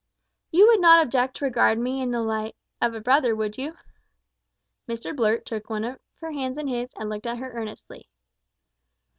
"You would not object to regard me in the light of a brother, would you?" Mr Blurt took one of her hands in his, and looked at her earnestly.